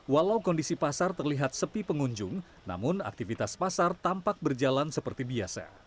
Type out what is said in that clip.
walau kondisi pasar terlihat sepi pengunjung namun aktivitas pasar tampak berjalan seperti biasa